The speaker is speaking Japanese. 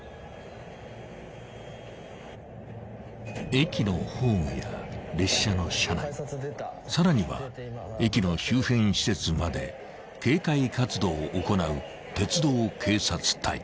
［駅のホームや列車の車内さらには駅の周辺施設まで警戒活動を行う鉄道警察隊］